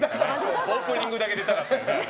オープニングだけ出たかった。